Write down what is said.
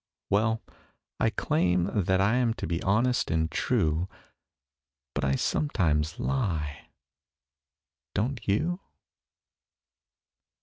Well, I claim that I aim to be honest and true, But I sometimes lie. Don't you?